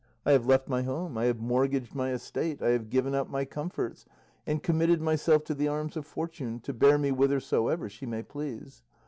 I have left my home, I have mortgaged my estate, I have given up my comforts, and committed myself to the arms of Fortune, to bear me whithersoever she may please.